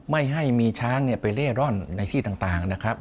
ไม่ให้มีช้างไปเล่ร่อนในที่ต่างนะครับ